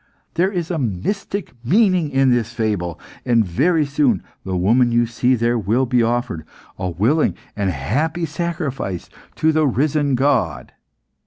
There is a mystic meaning in this fable, and very soon the woman you see there will be offered, a willing and happy sacrifice, to the risen God."